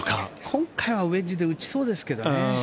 今回はウェッジで打ちそうですけどね。